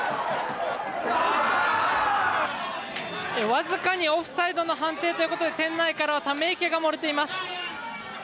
わずかにオフサイドの判定ということで店内からはため息が漏れています。